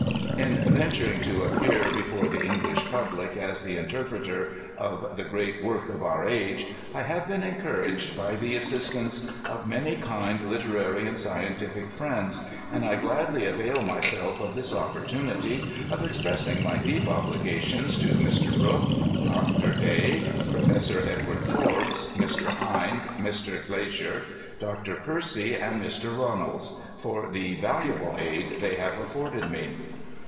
In venturing to appear before the English public as the u> terpreter oi ''the great work of our age^^* I have been en couraged by the assistance of many kind literary and scientific friends, and I gladly avail myself of this opportunity of ex pressing my deep obhgations to Mr. Brooke^ Dr. Day, Pro fessor Edward Forbes, Mr. Hind, Mr. Glaisher, Dr. Percy, and Mr. Ronalds, for the valuable aid they have afibrded me.